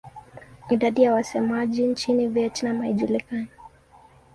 Idadi ya wasemaji nchini Vietnam haijulikani.